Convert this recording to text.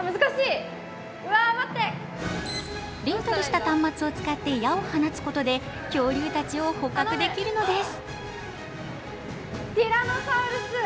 レンタルした端末を使って矢を放つことで恐竜たちを捕獲できるのです。